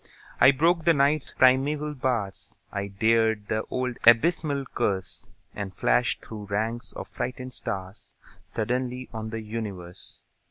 I broke the Night's primeval bars, I dared the old abysmal curse, And flashed through ranks of frightened stars Suddenly on the universe!